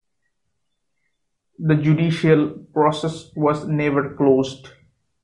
The judicial process was never closed.